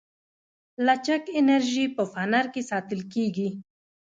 لچک انرژي په فنر کې ساتل کېږي.